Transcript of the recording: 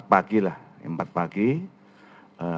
tim gabungan berhasil mengungkapkan ya